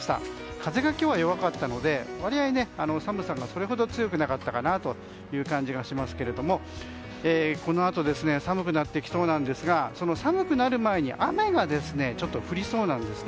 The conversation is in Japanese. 風が今日は弱かったので割合、寒さはそれほど強くなかったかなという感じがしますけれどもこのあと寒くなってきそうですが寒くなる前に雨が降りそうなんです。